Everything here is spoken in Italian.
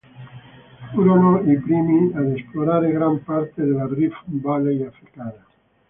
Furono i primi ad esplorare gran parte della Rift Valley africana.